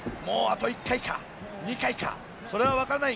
もうあと１回か２回か。